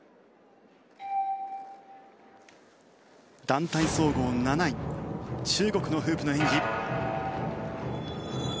団体総合７位中国のフープの演技。